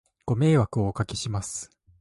ご迷惑をお掛けします